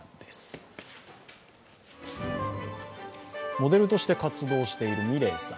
モデルとして活動しているｍｉｒｅｉさん。